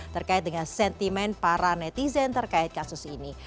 terkait dengan sentimen para netizen terkait kasus ini